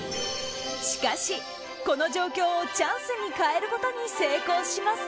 しかし、この状況をチャンスに変えることに成功します。